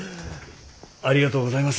ありがとうございます。